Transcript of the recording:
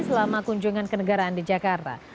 selama kunjungan ke negaraan di jakarta